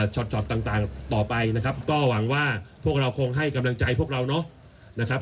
ช็อปต่างต่อไปนะครับก็หวังว่าพวกเราคงให้กำลังใจพวกเราเนาะนะครับ